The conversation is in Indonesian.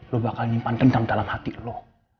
lo bakal nyimpan dendam dalam hati lo